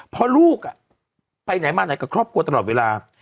เพราะลูกไปไหนมาไหนกับครอบครัวตลอดเวลา